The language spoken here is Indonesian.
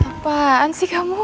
apaan sih kamu